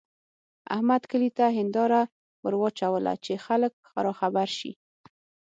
احمد کلي ته هېنداره ور واچوله چې خلګ راخبر شي.